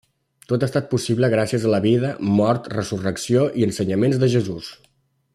Tot ha estat possible gràcies a la vida, mort, resurrecció i ensenyaments de Jesús.